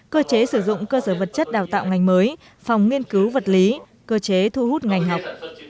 cơ chế sử dụng cơ sở vật chất đào tạo ngành mới phòng nghiên cứu vật lý cơ chế thu hút ngành học